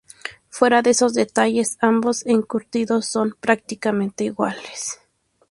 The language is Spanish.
Fuera de esos detalles, ambos encurtidos son prácticamente iguales.